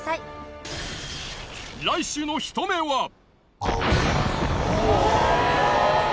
来週のひと目は。